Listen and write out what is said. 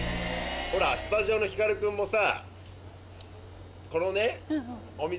スタジオのひかる君もさ。